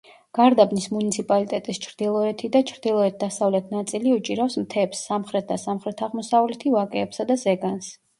გარდაბნის მუნიციპალიტეტის ჩრდილოეთი და ჩრდილოეთ-დასავლეთი ნაწილი უჭირავს მთებს, სამხრეთ და სამხრეთ-აღმოსავლეთი ვაკეებსა და ზეგანს.